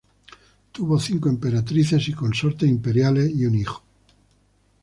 Tuvo cinco Emperatrices y Consortes Imperiales y un hijo.